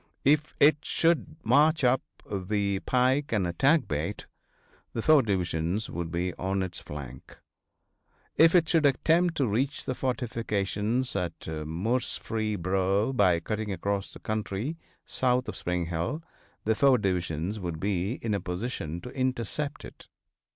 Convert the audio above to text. If it should march up the pike and attack Bate, the four divisions would be on its flank. If it should attempt to reach the fortifications at Murfreesboro by cutting across the country south of Spring Hill the four divisions would be in a position to intercept it.